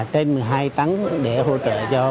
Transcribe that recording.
trên một mươi hai tấn để hỗ trợ cho